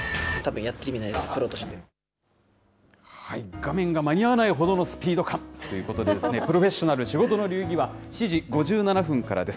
画面が間に合わないほどのスピード感ということでですね、プロフェッショナル仕事の流儀は、７時５７分からです。